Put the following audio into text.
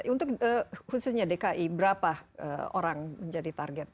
untuk khususnya dki berapa orang menjadi target